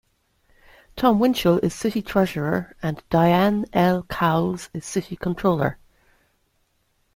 Tom Winchell is city treasurer and Diane L. Cowles is city controller.